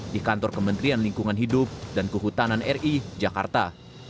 di kantor kementerian lingkungan hidup dan kehutanan ri jakarta